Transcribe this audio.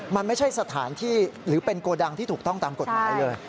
มันไม่ใช่สถานที่หรือเป็นโกดังที่ถูกต้องตามกฎหมายเลย